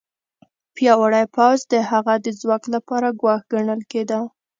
پیاوړی پوځ د هغه د واک لپاره ګواښ ګڼل کېده.